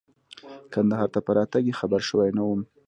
کندهار ته په راتګ یې خبر شوی نه وم.